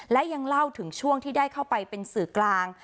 และยังเล่าถึงช่วงที่ได้เข้าไปเป็นสื่อกลาง